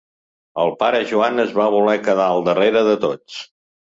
El pare Joan es va voler quedar al darrere de tots.